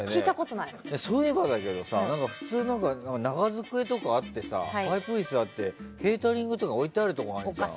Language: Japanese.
そういえばだけど普通、長机とかあってパイプ椅子があってケータリングが置いてあるところあるじゃん。